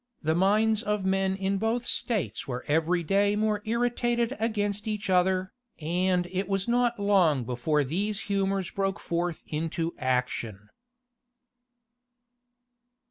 The minds of men in both states were every day more irritated against each other; and it was not long before these humors broke forth into action.